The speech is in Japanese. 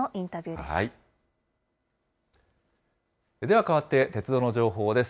では変わって鉄道の情報です。